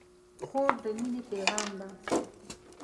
خور د مینې پیغام ده.